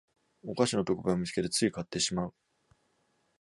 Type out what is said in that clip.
お菓子の特売を見つけてつい買ってしまう